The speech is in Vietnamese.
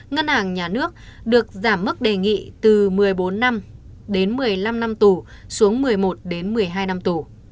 ngân hàng nhà nước được giảm mức đề nghị từ một mươi bốn năm đến một mươi năm năm tù xuống một mươi một đến một mươi hai năm tù